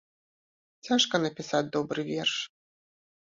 Цяжка напісаць добры верш.